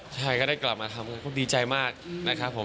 ใช่ก็ได้กลับมาทำงานก็ดีใจมากนะครับผม